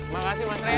makasih mas reh